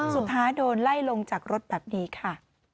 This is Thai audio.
สุดท้ายโดนไล่ลงจากรถแบบนี้ค่ะ